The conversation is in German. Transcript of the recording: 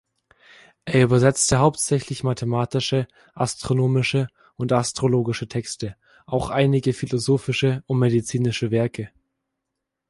Er übersetzte hauptsächlich mathematische, astronomische und astrologische Texte, auch einige philosophische und medizinische Werke.